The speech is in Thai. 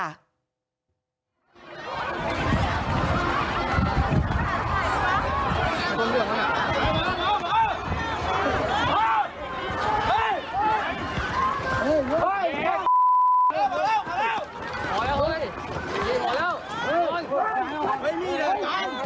เฮ้ยพี่นี่เหมือนกัน